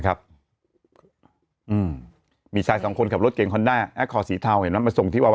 ครับมีชายสองคนกลับรถเกรงคอนด้าแอ๊กคอสีเทามาส่งที่